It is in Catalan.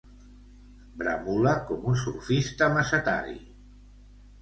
Bramula com un surfista mesetari.